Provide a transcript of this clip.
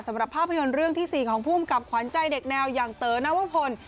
สำหรับภาพยนตร์เรื่องที่๔ของภูมิกับขวัญใจเด็กแนวอย่างเต๋อนวพล